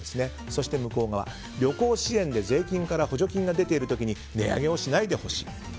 そして、旅行支援で税金から補助金が出ている時に値上げをしないでほしい。